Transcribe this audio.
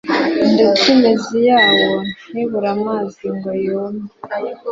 ndetse imizi yawo ntibure amazi ngo yume.